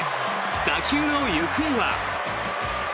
打球の行方は。